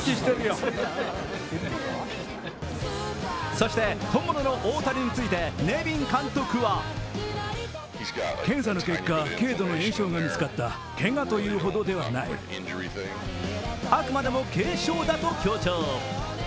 そして本物の大谷についてネビン監督はあくまでも軽傷だと強調。